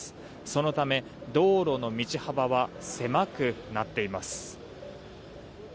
そのため道路の道幅は狭くなっています。